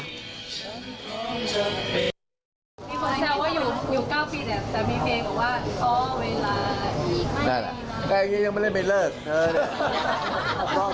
มีคนแจ้วว่าอยู่๙ปีแหละแต่มีเพลงบอกว่าอ๋อเวลาอีกไม่นาน